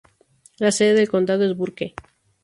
La sede del condado es Burke.